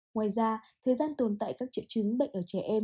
ngoài ra thời gian tồn tại các triệu chứng bệnh ở trẻ em